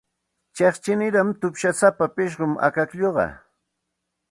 Chiqchiniraq tupshusapa pishqum akaklluqa.